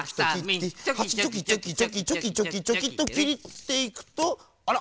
「はさみ」「チョキチョキチョキチョキチョキチョキチョキ」ときっていくとあら！